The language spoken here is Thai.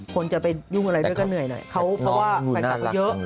คนจะไปยุ่งอะไรด้วยก็เหนื่อยหน่อยเพราะว่าแฟนคลับเขาเยอะ